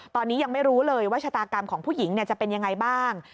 ตอนนี้ยังไม่รู้เลยว่าชะตากรรมของผู้หญิงจะเป็นยังไงบ้าง